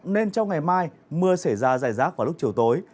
nên trong ngày mai mưa xảy ra dài rác vào lúc chiều tối